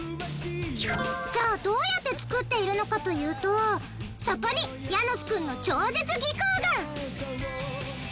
じゃあどうやって作っているのかというとそこにヤノスくんの超絶技巧が！